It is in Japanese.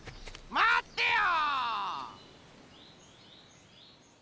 まってよ！